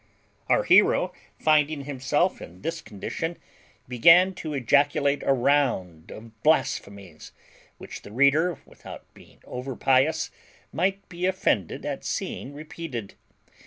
Our hero, finding himself in this condition, began to ejaculate a round of blasphemies, which the reader, without being over pious, might be offended at seeing repeated.